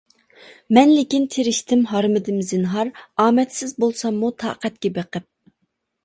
مەن لېكىن تىرىشتىم ھارمىدىم زىنھار، ئامەتسىز بولساممۇ تاقەتكە بېقىپ.